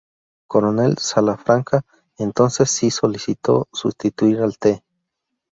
Coronel Salafranca entonces si solicitó sustituir al Tte.